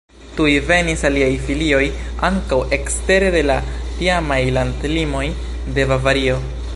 Tuj venis aliaj filioj ankaŭ ekstere de la tiamaj landlimoj de Bavario.